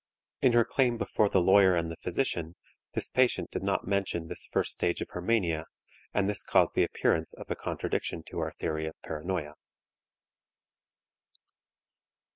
In her claim before the lawyer and the physician, this patient did not mention this first stage of her mania, and this caused the appearance of a contradiction to our theory of paranoia.